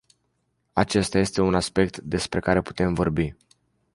Acesta este un aspect despre care putem vorbi.